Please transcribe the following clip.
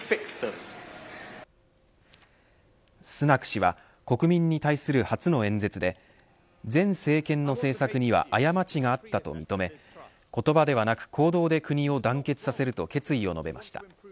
スナク氏は国民に対する初の演説で前政権の政策には過ちがあったと認め言葉ではなく行動で国を団結させると決意を述べました。